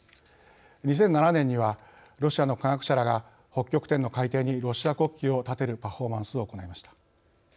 ２００７年にはロシアの科学者らが北極点の海底にロシア国旗を立てるパフォーマンスを行いました。